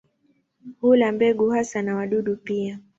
Hula mbegu hasa na wadudu pia.